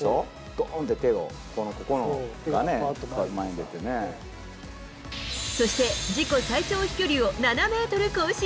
どーんって手を、ここの手が前にそして、自己最長飛距離を７メートル更新。